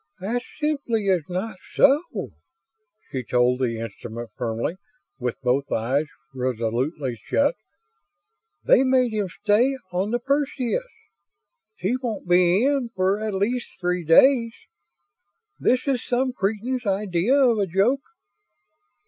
"That simply is not so," she told the instrument firmly, with both eyes resolutely shut. "They made him stay on the Perseus. He won't be in for at least three days. This is some cretin's idea of a joke."